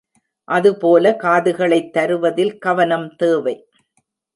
அதுபோல காதுகளைத் தருவதில் கவனம் தேவை.